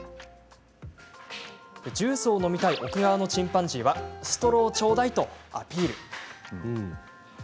ジュースを飲みたい奥側のチンパンジーはストローちょうだい！とアピール。